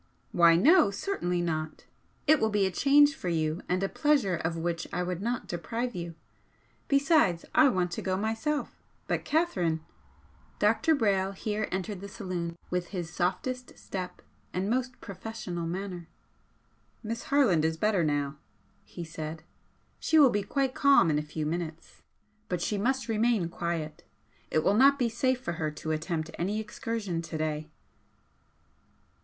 "Why no, certainly not. It will be a change for you and a pleasure of which I would not deprive you. Besides, I want to go myself. But Catherine " Dr. Brayle here entered the saloon with his softest step and most professional manner. "Miss Harland is better now," he said "She will be quite calm in a few minutes. But she must remain quiet. It will not be safe for her to attempt any excursion today."